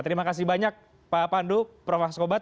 terima kasih banyak pak pandu prof askobat